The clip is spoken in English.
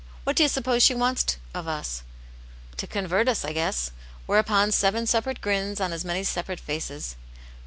What do you suppose she wants of us?" To convert us, I guess." Whereupon seven sepa« rate grins on as many separate faces.